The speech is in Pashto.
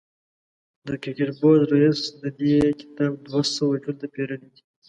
د کرکټ بورډ رئیس د دې کتاب دوه سوه جلده پېرلي دي.